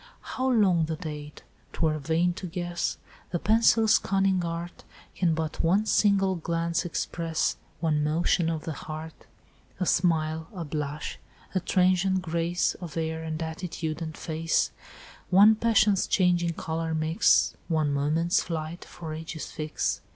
"'How long the date, 'twere vain to guess, The pencil's cunning art Can but one single glance express, One motion of the heart, A smile, a blush, a transient grace Of air and attitude and face, One passion's changing colour mix, One moment's flight, for ages fix.